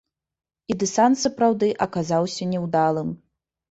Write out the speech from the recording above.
І дэсант сапраўды аказаўся няўдалым.